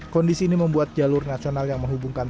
kondisi ini membuat jalur nasional yang menghubungkan